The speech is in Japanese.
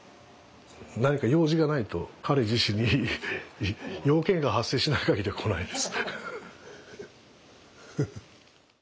何か用事がないと彼自身に用件が発生しない限りは来ないです。